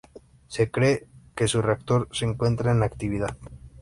Se cree que su reactor se encuentra en actividad.